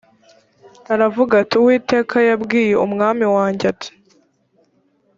aravuga ati uwiteka yabwiye umwami wanjye ati